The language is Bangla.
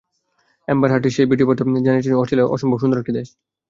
অ্যামবার হার্ড সেই ভিডিও বার্তায় জানিয়েছেন, অস্ট্রেলিয়া অসম্ভব সুন্দর একটি দেশ।